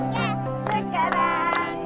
sampai jumpa lagi